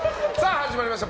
始まりました。